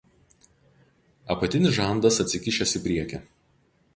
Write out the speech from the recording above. Apatinis žandas atsikišęs į priekį.